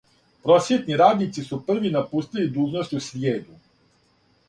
Просвјетни радници су први напустили дужност у сриједу.